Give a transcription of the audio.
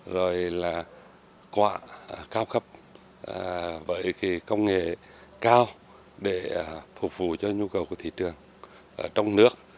rồi là quả cao khắp với công nghệ cao để phục vụ cho nhu cầu của thị trường trong nước